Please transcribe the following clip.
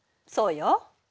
そうよ。